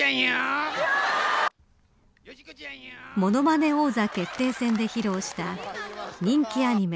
ものまね王座決定戦で披露した人気アニメ